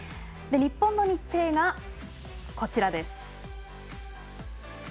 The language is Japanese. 日本の日程がこちらです。